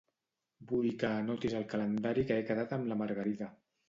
Vull que anotis al calendari que he quedat amb la Margarida.